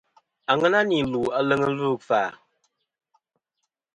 Àŋena nì lù aleŋ ɨlvɨ ikfa.